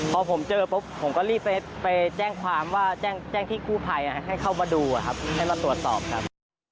พอผมเจอผมก็รีบไปแจ้งความแจ้งที่คู่ภัยให้เข้ามาดูให้เราตรวจสอบครับ